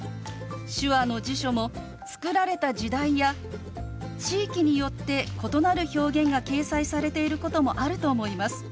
手話の辞書も作られた時代や地域によって異なる表現が掲載されていることもあると思います。